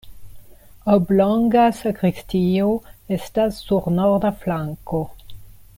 Oblonga sakristio estas sur norda flanko.